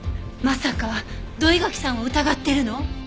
まさか土居垣さんを疑ってるの？